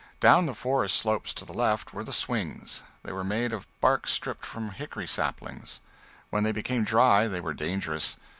Down the forest slopes to the left were the swings. They were made of bark stripped from hickory saplings. When they became dry they were dangerous.